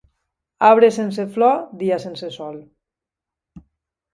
Arbre sense flor, dia sense sol.